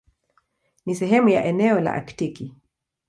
Ni sehemu ya eneo la Aktiki.